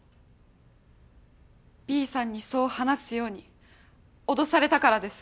Ｂさんにそう話すように脅されたからです。